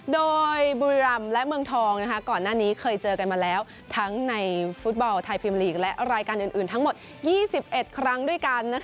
โดยบุรีรำและเมืองทองก่อนหน้านี้เคยเจอกันมาแล้วทั้งในฟุตบอลไทยพิมลีกและรายการอื่นทั้งหมด๒๑ครั้งด้วยกัน